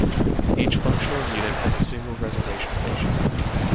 Each functional unit has a single reservation station.